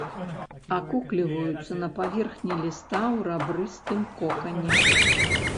Акукліваюцца на паверхні ліста ў рабрыстым кокане.